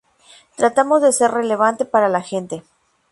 Tratamos de ser relevante para la gente.